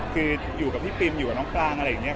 คืออยู่กับพี่ปิมอยู่กับน้องปรางอะไรอย่างนี้